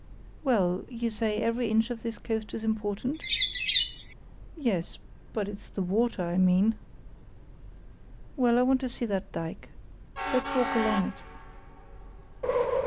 "Well, you say every inch of this coast is important?" "Yes, but it's the water I mean." "Well, I want to see that dyke. Let's walk along it."